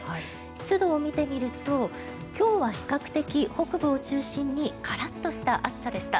湿度を見てみると今日は比較的、北部を中心にカラッとした暑さでした。